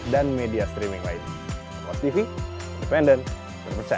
dan tadi pak prabowo bilang sudah menawari